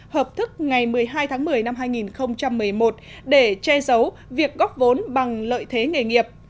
hợp thức ngày một mươi hai tháng một mươi năm hai nghìn một mươi một để che giấu việc góp vốn bằng lợi thế nghề nghiệp